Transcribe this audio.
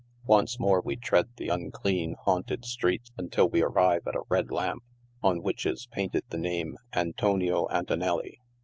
Once more we tread the unclean, haunted street, until wo arrive at a red lamp, on which is painted the name Antonio Antonelii.